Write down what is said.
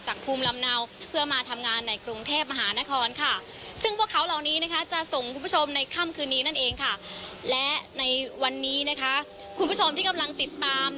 จะรายงานสดเข้ามานะครับเชิญครับ